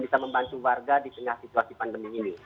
bisa membantu warga di tengah situasi pandemi ini